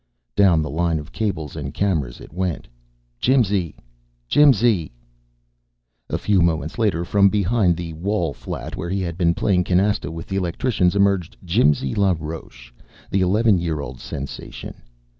Down the line of cables and cameras it went. Jimsy ... Jimsy.... A few moments later, from behind the wall flat where he had been playing canasta with the electricians, emerged Jimsy LaRoche, the eleven year old sensation.